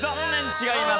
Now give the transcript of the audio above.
違います。